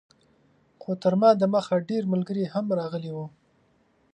خو تر ما دمخه ډېر ملګري هم راغلي وو.